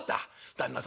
「旦那様